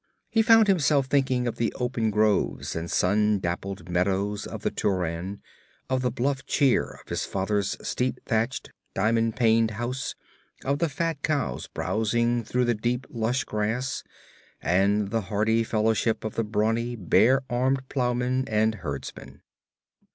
He found himself thinking of the open groves and sun dappled meadows of the Tauran, of the bluff cheer of his father's steep thatched, diamond paned house, of the fat cows browsing through the deep, lush grass, and the hearty fellowship of the brawny, bare armed plowmen and herdsmen.